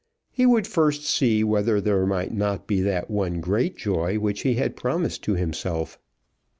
He would first see whether there might not be that one great joy which he had promised to himself.